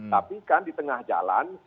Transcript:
tapi kan di tengah jalan